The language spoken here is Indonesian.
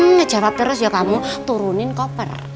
ngejawab terus ya kamu turunin koper